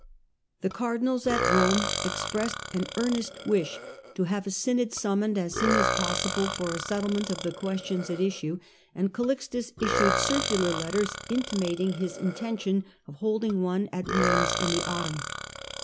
The cardinals at Borne expressed an earnest wish to have a synod summoned as soon as possible for a settle ment of the questions at issue, and Calixtus issued circular letters intimating his intention of holding one at Reims in the autumn.